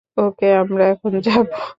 ওকে, আমরা এখন যাব?